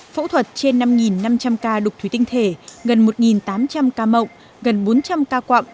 phẫu thuật trên năm năm trăm linh ca đục thủy tinh thể gần một tám trăm linh ca mậu gần bốn trăm linh ca quặng